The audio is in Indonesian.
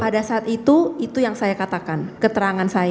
pada saat itu itu yang saya katakan keterangan saya